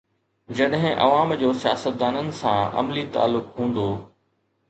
جڏهن عوام جو سياستدانن سان عملي تعلق هوندو.